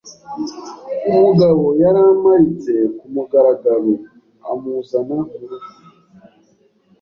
umugabo yaramparitse ku mugaragaroamuzana mu rugo